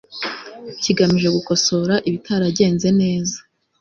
kigamije gukosora ibitaragenze neza